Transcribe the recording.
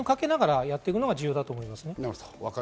天秤をかけながらやっていくのが重要だと思います。